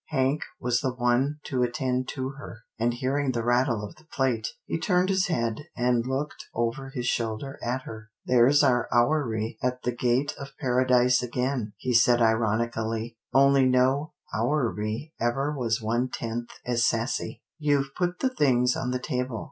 Hank was the one to attend to her, and hearing the rattle of the plate, he turned his head and looked over his shoulder at her. " There's our houri at the gate of paradise again," he said ironically, " only no houri ever was one tenth as sassy. You've put the things on the table.